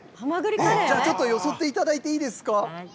じゃあちょっとよそっていただいていいですか？